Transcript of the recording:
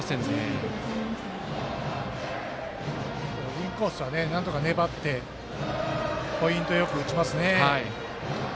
インコースはなんとか粘ってポイントよく打ちますね。